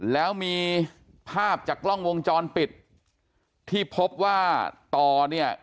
แล้วมีภาพจากกล้องวงจรปิดที่พบว่าต่อเนี่ย